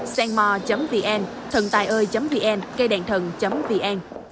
senmo vn thầntaioi vn cây đèn thần vn